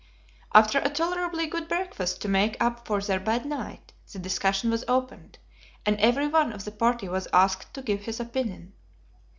After a tolerably good breakfast to make up for their bad night, the discussion was opened, and every one of the party was asked to give his opinion.